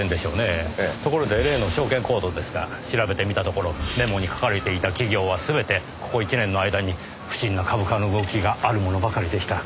ところで例の証券コードですが調べてみたところメモに書かれていた企業は全てここ１年の間に不審な株価の動きがあるものばかりでした。